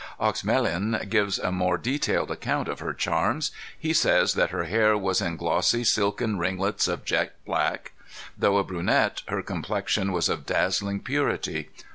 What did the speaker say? Oexemelin gives a more detailed account of her charms. He says that her hair was in glossy, silken ringlets of jet black. Though a brunette, her complexion was of dazzling purity.